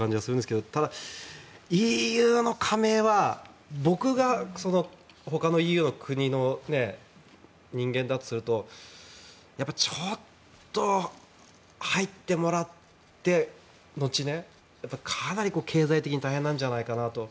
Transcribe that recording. ただ、ＥＵの加盟は僕がほかのＥＵの国の人間だとするとちょっと、入ってもらった後かなり経済的に大変なんじゃないかなと。